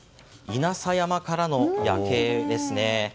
稲佐山からの夜景ですね。